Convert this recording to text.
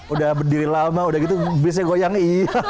udah berdiri lama udah gitu biasanya goyang